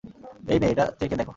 এই নে, এটা চেখে দেখ।